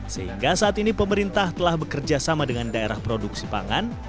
sehingga saat ini pemerintah telah bekerja sama dengan daerah produksi pangan